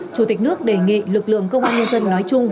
chủ tịch nước đề nghị lực lượng công an nhân dân nói chung